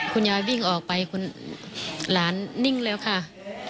คุณยายวิ่งออกไปคุณหลานนิ่งแล้วค่ะ